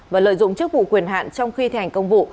và lợi dụng chức vụ quyền hạn trong khi thi hành công vụ